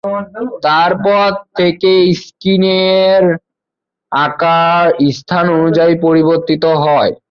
তারপর থেকে স্ক্রিনের আকার স্থান অনুযায়ী পরিবর্তিত হয়।